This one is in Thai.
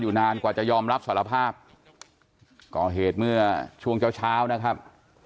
นานกว่าจะยอมรับสารภาพก่อเหตุเมื่อช่วงเช้าเช้านะครับ